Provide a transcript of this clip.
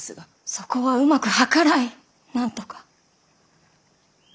そこはうまく計らいなんとか。